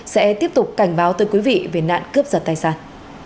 sẽ tiếp tục cảnh báo tới quý vị về nạn cướp giật tài sản